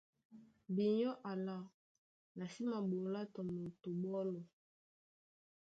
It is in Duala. Binyɔ́ alâ, na sí maɓolá tɔ moto ɓɔ́lɔ.